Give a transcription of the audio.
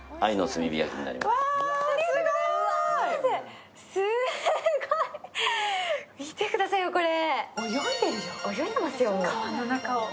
すごい、見てくださいよ、これ。